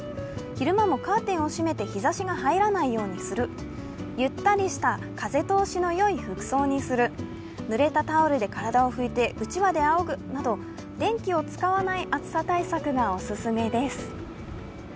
昼間もカーテンを閉めて日ざしが入らないようにする、ゆったりした風通しのよい服装にする、ぬれたタオルで体を拭いてうちわであおぐなど、電気を使わない暑さ対策がおすすめです。